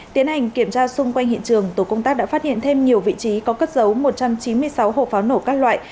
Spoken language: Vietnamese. tiến hành kiểm tra xung quanh hiện trường tổ công tác đã phát hiện thêm nhiều vị trí có cất giấu một trăm chín mươi sáu hộp pháo nổ các loại